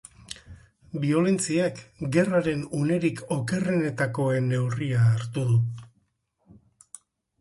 Biolentziak gerraren unerik okerrenetakoen neurria hartu du.